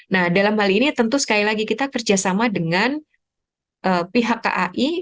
nah dalam hal ini tentu sekali lagi kita kerjasama dengan pihak kai